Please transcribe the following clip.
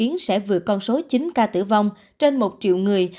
hồng kông dự kiến sẽ vượt con số chín ca tử vong trên một triệu người